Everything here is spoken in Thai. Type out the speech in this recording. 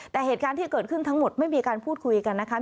แต่เหตุการณ์ที่เกิดขึ้นทั้งหมดไม่มีการพูดคุยกันนะคะ